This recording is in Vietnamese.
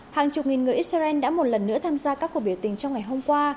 hàng chục nghìn người israel đã một lần nữa tham gia các cuộc biểu tình trong ngày hôm qua